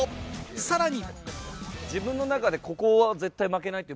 さらに。